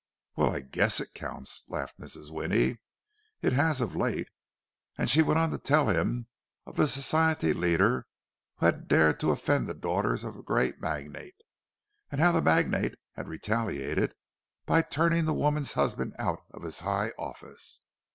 "Well, I guess it counts!" laughed Mrs. Winnie. "It has of late." And she went on to tell him of the Society leader who had dared to offend the daughters of a great magnate, and how the magnate had retaliated by turning the woman's husband out of his high office.